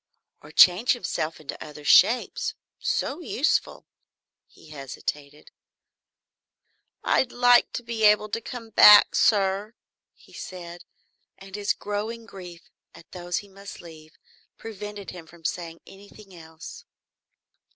Or change himself in other shapes? So useful. He hesitated. "I'd like to be able to come back, sir," he said, and his growing grief at those he must leave prevented him from saying anything else.